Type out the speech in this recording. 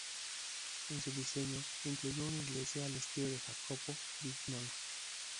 En su diseño incluyó una iglesia al estilo de Jacopo Vignola.